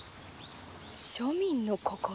庶民の心？